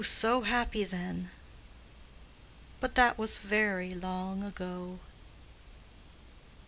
so happy then But that was very long ago!